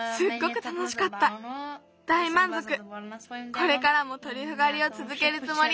これからもトリュフがりをつづけるつもり。